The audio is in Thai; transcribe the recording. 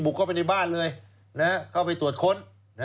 เข้าไปในบ้านเลยเข้าไปตรวจค้น